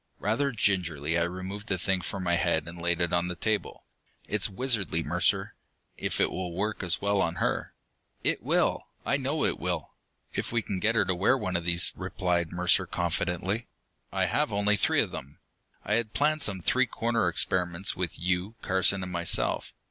Rather gingerly I removed the thing from my head and laid it on the table. "It's wizardry, Mercer! If it will work as well on her...." "It will, I know it will! if we can get her to wear one of these," replied Mercer confidently. "I have only three of them; I had planned some three cornered experiments with you, Carson, and myself.